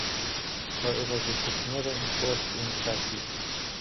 However, this was never enforced in practice.